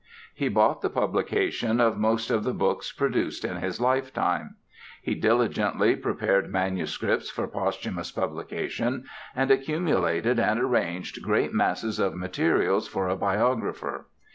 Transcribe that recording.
He bought the publication of most of the books produced in his lifetime. He diligently prepared manuscripts for posthumous publication and accumulated and arranged great masses of materials for a biographer.